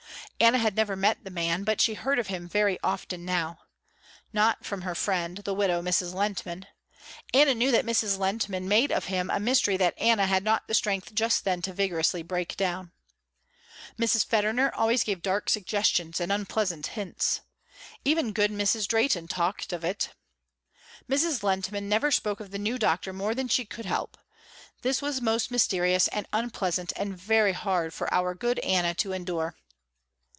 Anna had never met the man but she heard of him very often now. Not from her friend, the widow Mrs. Lehntman. Anna knew that Mrs. Lehntman made of him a mystery that Anna had not the strength just then to vigorously break down. Mrs. Federner gave always dark suggestions and unpleasant hints. Even good Mrs. Drehten talked of it. Mrs. Lehntman never spoke of the new doctor more than she could help. This was most mysterious and unpleasant and very hard for our good Anna to endure.